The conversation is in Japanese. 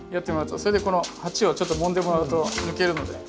それでこの鉢をちょっともんでもらうと抜けるので。